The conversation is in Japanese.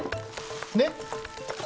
ねっ。